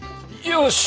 よし！